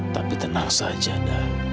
tapi tenang saja dah